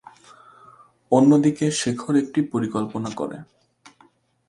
অন্যদিকে শেখর একটি পরিকল্পনা করে।